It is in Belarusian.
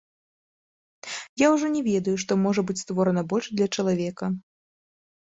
Я ўжо не ведаю, што можа быць створана больш для чалавека.